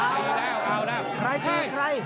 เอาแล้วเอาแล้วใครใครใคร